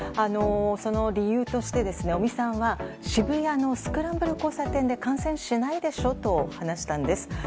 その理由として尾身さんは渋谷のスクランブル交差点で感染しないでしょと話したんです。